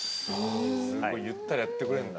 言ったらやってくれるんだ。